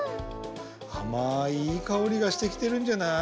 あまいいいかおりがしてきてるんじゃない？